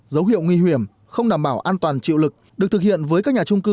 dấu hiệu nguy hiểm không đảm bảo an toàn chịu lực được thực hiện với các nhà trung cư